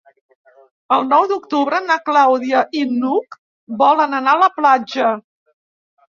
El nou d'octubre na Clàudia i n'Hug volen anar a la platja.